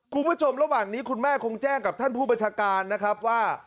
คุณผู้ชมระหว่างนี้คุณแม่คงแจ้งกับท่านผู้บัญชาการนะครับว่า